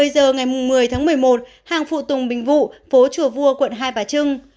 một mươi giờ ngày một mươi tháng một mươi một hàng phụ tùng bình vụ phố chùa vua quận hai bà trưng